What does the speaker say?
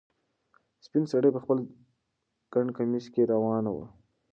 سپین سرې په خپل ګڼ کمیس کې روانه وه.